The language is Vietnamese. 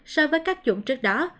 so với các dụng trước đó